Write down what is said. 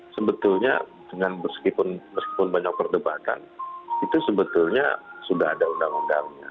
sebetulnya dengan meskipun banyak perdebatan itu sebetulnya sudah ada undang undangnya